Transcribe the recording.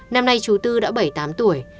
năm nay chú tư đã bảy mươi tám tuổi